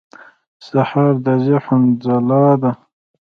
سهار د ذهن ځلا ده.